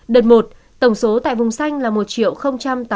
đợt một tổng số tại vùng xanh là một tám mươi bốn bốn trăm ba mươi tám hộ